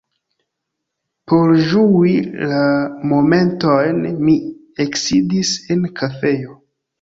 Por ĝui la momentojn mi eksidis en kafejo.